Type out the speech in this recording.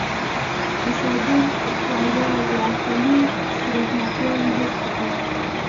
د صابون ښویوالی د القلي سریښناکوالی حس کوي.